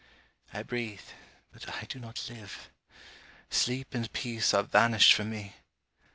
I breathe: but I do not live! Sleep and peace are vanished from me!